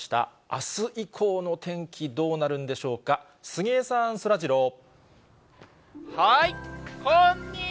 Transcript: あす以降の天気、どうなるんでしょうか、杉江さん、そらジロー。